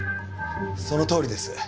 そのとおりです。